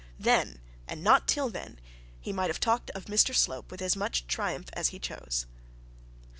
Then, and not till then, he might have talked of Mr Slope with as much triumph as he chose.